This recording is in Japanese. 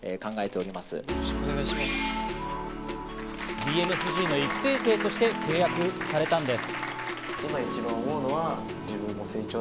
ＢＭＳＧの育成生として契約されたんです。